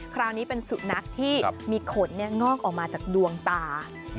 คราวนี้เป็นสุนัขที่มีขนงอกออกมาจากดวงตา